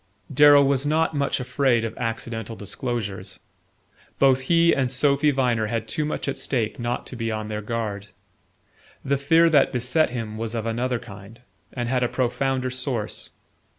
Darrow was not much afraid of accidental disclosures. Both he and Sophy Viner had too much at stake not to be on their guard. The fear that beset him was of another kind, and had a profounder source.